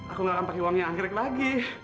aku gak akan pakai uangnya anggrek lagi